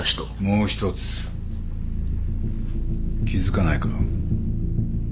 もう一つ気付かないか？